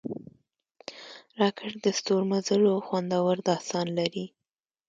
راکټ د ستورمزلو خوندور داستان لري